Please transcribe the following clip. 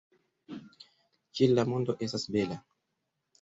Kiel la mondo estas bela!